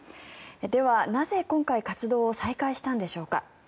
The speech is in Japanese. ではなぜ今回、活動を再開したんでしょうか。